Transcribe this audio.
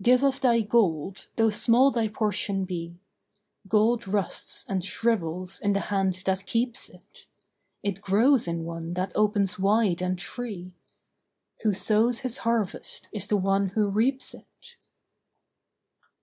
Give of thy gold, though small thy portion be. Gold rusts and shrivels in the hand that keeps it. It grows in one that opens wide and free. Who sows his harvest is the one who reaps it.